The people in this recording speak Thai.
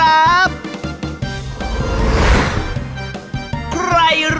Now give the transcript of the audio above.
อาหารการกิน